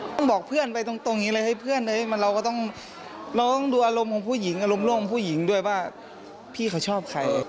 บอกเพื่อนไปตรงนี้เลยให้เพื่อนเราก็ต้องลองดูอารมณ์ของผู้หญิงอารมณ์โล่งผู้หญิงด้วยว่าพี่เขาชอบใคร